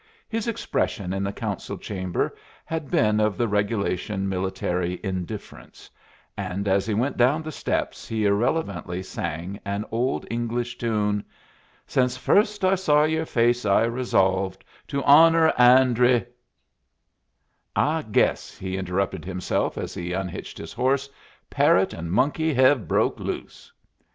His expression in the Council Chamber had been of the regulation military indifference, and as he went down the steps he irrelevantly sang an old English tune: "'Since first I saw your face I resolved To honor and re ' "I guess," he interrupted himself as he unhitched his horse, "parrot and monkey hev broke loose."